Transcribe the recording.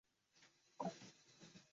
Trubkasin so‘ng olib beun